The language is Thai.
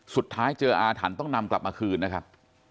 สุดท้ายเจออาถรรพ์ต้องนำกลับมาคืนนะครับ